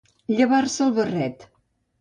Llevar-se el barret.